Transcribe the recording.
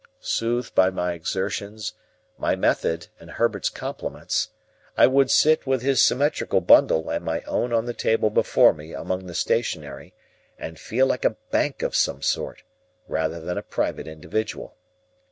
Soothed by my exertions, my method, and Herbert's compliments, I would sit with his symmetrical bundle and my own on the table before me among the stationery, and feel like a Bank of some sort, rather than a private individual.